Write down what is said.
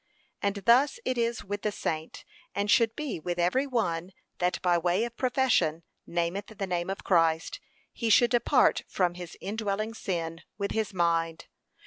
And thus it is with the saint, and should be with every one that by way of profession nameth the name of Christ, he should depart from his indwelling sin, with his mind.